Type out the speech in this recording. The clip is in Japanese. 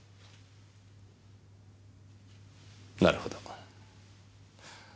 なるほど。